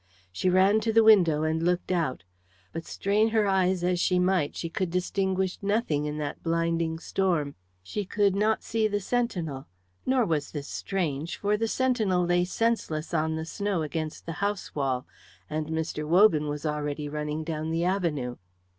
She ran to the window and looked out. But strain her eyes as she might, she could distinguish nothing in that blinding storm. She could not see the sentinel; nor was this strange, for the sentinel lay senseless on the snow against the house wall, and Mr. Wogan was already running down the avenue.